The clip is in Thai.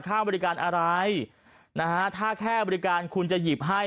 ค่าบริการอะไรนะฮะถ้าแค่บริการคุณจะหยิบให้